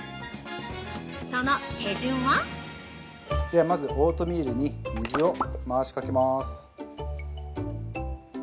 その手順は◆まず、オートミールに水を回しかけまーす。